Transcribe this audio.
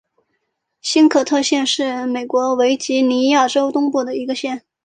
新肯特县是美国维吉尼亚州东部的一个县。